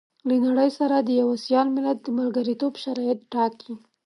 له نړۍ سره د يوه سيال ملت د ملګرتوب شرايط ټاکي.